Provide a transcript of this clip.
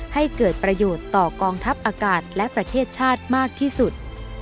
ให้เกิดประโยชน์ต่อกองทัพอากาศและประเทศชาติมากที่สุด